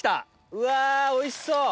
うわおいしそう！